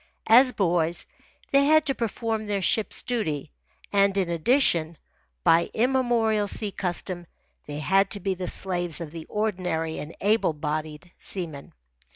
As boys, they had had to perform their ship's duty, and, in addition, by immemorial sea custom, they had had to be the slaves of the ordinary and able bodied seamen.